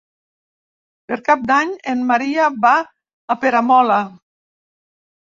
Per Cap d'Any en Maria va a Peramola.